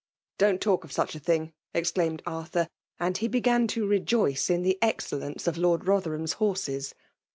Don*t talk of such a thing I *' exclaimed Arthur; and he began to rejoice in the excel lence of Lord Rotherham*s horses.